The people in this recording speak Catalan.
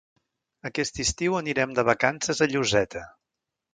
Aquest estiu anirem de vacances a Lloseta.